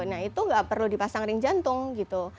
nah itu nggak perlu dipasang ring jantung gitu